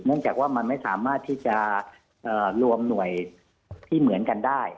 จากว่ามันไม่สามารถที่จะรวมหน่วยที่เหมือนกันได้